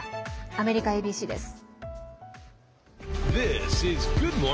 アメリカＡＢＣです。